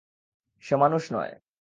সে মানুষ নয়।